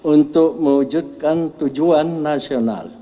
untuk mewujudkan tujuan nasional